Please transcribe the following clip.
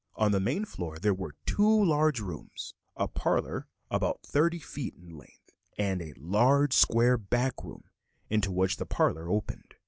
On the main floor there were two large rooms: a parlor about thirty feet in length, and a large, square back room into which the parlor opened.